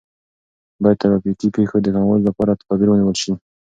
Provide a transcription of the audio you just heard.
باید د ترافیکي پیښو د کموالي لپاره تدابیر ونیول سي.